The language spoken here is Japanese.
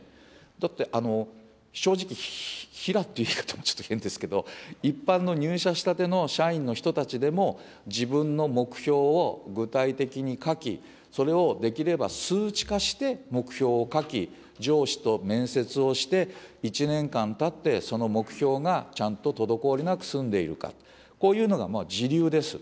だって正直、平って言い方もちょっと変ですけど、一般の入社したての社員の人たちでも、自分の目標を具体的に書き、それをできれば数値化して目標を書き、上司と面接をして、１年間たって、その目標がちゃんと滞りなく済んでいるか、こういうのが時流です。